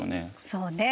そうね。